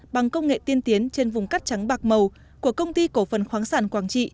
bằng công nghệ tiên tiến trên vùng cắt trắng bạc màu của công ty cổ phần khoáng sản quảng trị